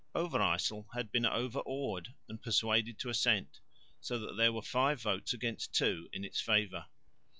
Overyssel had been overawed and persuaded to assent, so that there were five votes against two in its favour.